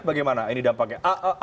bagaimana ini dampaknya